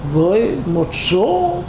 với một số